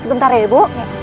sebentar ya ibu